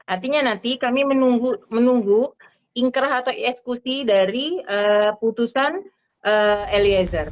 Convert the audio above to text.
artinya nanti kami menunggu ingkerah atau e eksekusi dari putusan eliezer